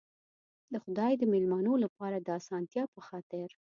د خدای د مېلمنو لپاره د آسانتیا په خاطر.